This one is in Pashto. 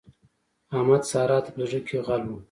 احمد؛ سارا ته په زړ کې غل وو.